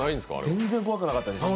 全然怖くなかったです。